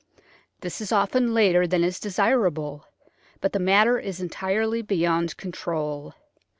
This is often later than is desirable, but the matter is entirely beyond control.